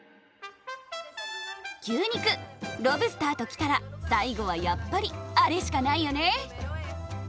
牛肉ロブスターと来たら最後はやっぱりあれしかないよね？